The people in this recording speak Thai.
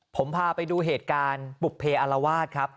ผมพาไปดูเหตุการณ์บุภเพออารวาสครับ